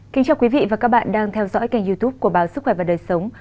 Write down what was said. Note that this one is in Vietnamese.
kính chào quý vị và các bạn đang theo dõi kênh youtube của báo sức khỏe và đời sống